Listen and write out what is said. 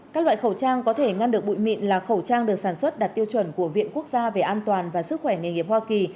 các loại khẩu trang có thể ngăn được bụi mịn là khẩu trang được sản xuất đạt tiêu chuẩn của viện quốc gia về an toàn và sức khỏe nghề nghiệp hoa kỳ